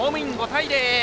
５対０！